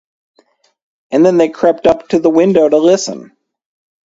And then they crept up to the window to listen.